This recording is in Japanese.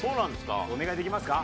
お願いできますか？